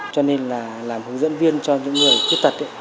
cho nên là làm hướng dẫn viên cho những người khuyết tật